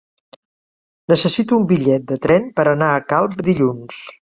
Necessito un bitllet de tren per anar a Calp dilluns.